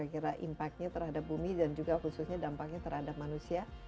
ancaman terbesar bagi manusia non perang